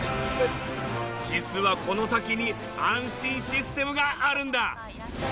実はこの先に安心システムがあるんだ！